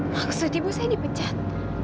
maksud ibu saya dipecat